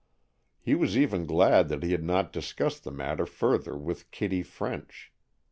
He was even glad that he had not discussed the matter further with Kitty French.